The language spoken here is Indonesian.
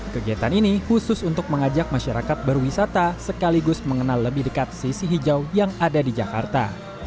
kegiatan ini khusus untuk mengajak masyarakat berwisata sekaligus mengenal lebih dekat sisi hijau yang ada di jakarta